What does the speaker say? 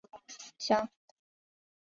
详情请参见连通空间。